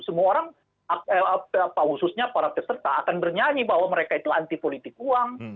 semua orang khususnya para peserta akan bernyanyi bahwa mereka itu anti politik uang